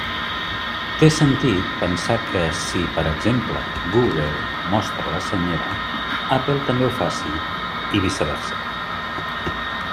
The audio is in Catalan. Té sentit pensar que si, per exemple, Google mostra la Senyera, Apple també ho faci, i viceversa.